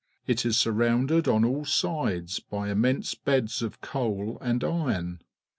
It is surrounded on all sides by immense beds of coal_ and iron.